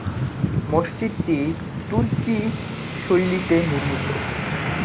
মসজিদটি তুর্কি শৈলীতে নির্মিত।